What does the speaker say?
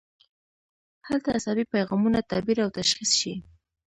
هلته عصبي پیغامونه تعبیر او تشخیص شي.